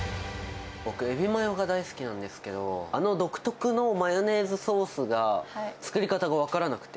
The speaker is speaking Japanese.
僕、エビマヨが大好きなんですけど、あの独特のマヨネーズソースが、作り方が分からなくて。